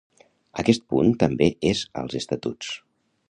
Aquest punt també és als estatuts.